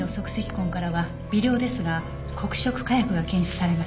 痕からは微量ですが黒色火薬が検出されました。